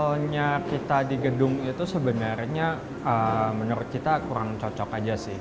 kalau kita di gedung itu sebenarnya menurut kita kurang cocok aja sih